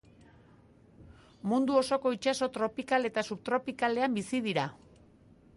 Mundu osoko itsaso tropikal eta subtropikaletan bizi dira.